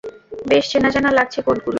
বেশ চেনাজানা লাগছে কোডগুলো!